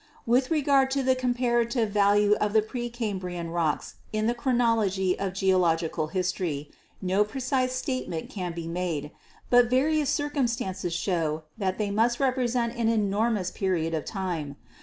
With regard to the comparative value of the pre Cam brian rocks in the chronology of geological history no pre cise statement can be made, but various circumstances show that they must represent an enormous period of time.